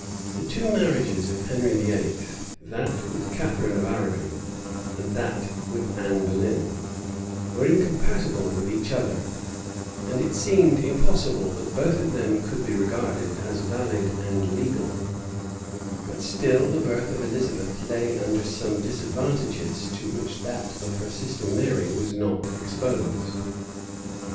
The two marriages of Henry VIII., that with Catharine of Arragon, and that with Anne Boleyn, were incompatible with each other; and it seemed impossible that both of them could be regarded as valid and legal: but still the birth of Elizabeth lay under some disadvantages to which that of her sister Mary was not exposed.